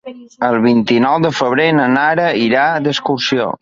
El vint-i-nou de febrer na Nara irà d'excursió.